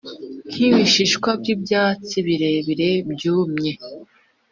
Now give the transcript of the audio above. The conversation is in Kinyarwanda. nkibishishwa byibyatsi birebire, byumye,